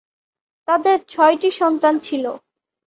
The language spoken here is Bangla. তাদের ছয়টি সন্তান ছিল।